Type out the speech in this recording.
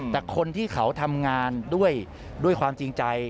แต่คนที่เขาทำงานด้วยความจริงใจ